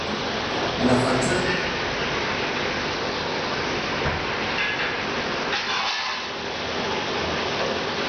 La fachada descansa sobre grandes columnas jónicas y está adornada con siete estatuas.